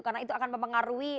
karena itu akan mempengaruhi